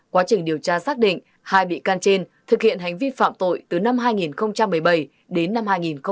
quá trình điều tra xác định hai bị can trên thực hiện hành vi phạm tội từ năm hai nghìn một mươi bảy đến năm hai nghìn một mươi bảy